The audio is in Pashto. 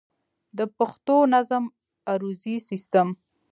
د پښتو نظم عروضي سيسټم